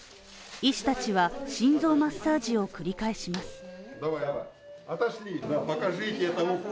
医師たちは心臓マッサージを繰り返します。